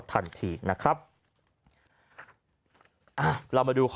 ทันทีนะครับอ่าเรามาดูข้อ